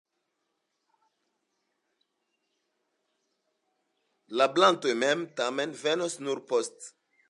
La blatoj mem, tamen, venos nur poste.